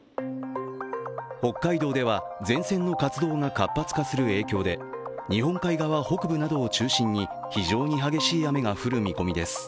北海道では前線の活動が活発化する影響で日本海側北部などを中心に非常に激しい雨が降る見込みです。